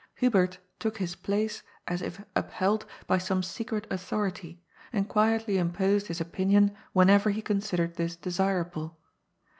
Hubert took his place as if upheld by some secret authority, and quietly imposed his opinion whenever he considered this desirable.